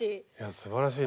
すばらしい。